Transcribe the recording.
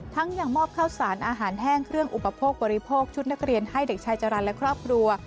ยังมอบข้าวสารอาหารแห้งเครื่องอุปโภคบริโภคชุดนักเรียนให้เด็กชายจรรย์และครอบครัว